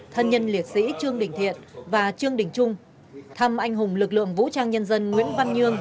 thân nhân liệt sĩ trương đình thiện và trương đình trung thăm anh hùng lực lượng vũ trang nhân dân nguyễn văn nhương